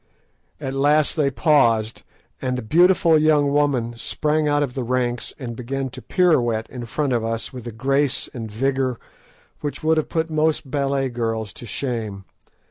At last they paused, and a beautiful young woman sprang out of the ranks and began to pirouette in front of us with a grace and vigour which would have put most ballet girls to shame.